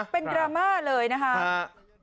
เป็นดราม่าเลยนะครับ